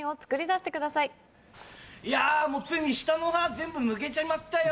いやもうついに下の歯全部抜けちまったよ！